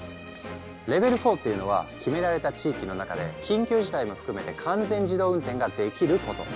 レベル４っていうのは決められた地域の中で緊急事態も含めて完全自動運転ができること。